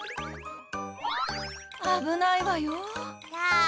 あぶないわよ。だ。